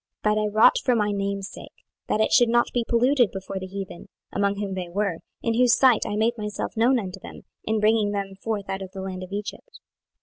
26:020:009 But I wrought for my name's sake, that it should not be polluted before the heathen, among whom they were, in whose sight I made myself known unto them, in bringing them forth out of the land of Egypt.